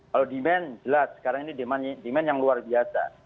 kalau demand jelas sekarang ini demand yang luar biasa